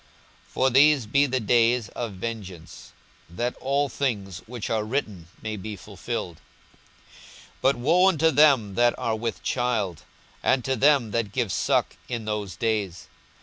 42:021:022 For these be the days of vengeance, that all things which are written may be fulfilled. 42:021:023 But woe unto them that are with child, and to them that give suck, in those days!